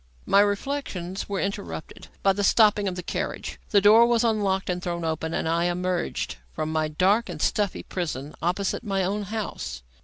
My reflections were interrupted by the stopping of the carriage. The door was unlocked and thrown open, and I emerged from my dark and stuffy prison opposite my own house.